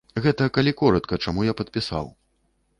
Гэта, калі коратка, чаму я падпісаў.